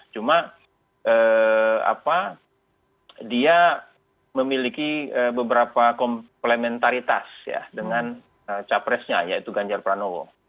cuma dia memiliki beberapa komplementaritas ya dengan capresnya yaitu ganjar pranowo